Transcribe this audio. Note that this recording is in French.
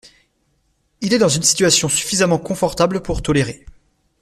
Il est dans une situation suffisamment confortable pour tolérer.